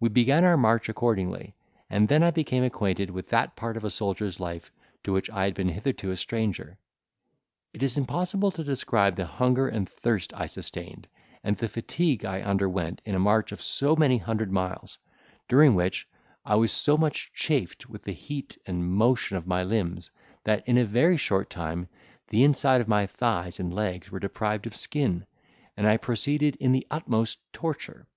We began our march accordingly, and then I became acquainted with that part of a soldier's life to which I had been hitherto a stranger. It is impossible to describe the hunger and thirst I sustained, and the fatigue I underwent in a march of so many hundred miles; during which, I was so much chafed with the heat and motion of my limbs, that in a very short time the inside of my thighs and legs were deprived of skin, and I proceeded in the utmost torture.